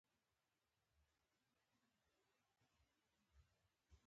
تر کومه به د علي خوټو ته اوبه ور اچوم؟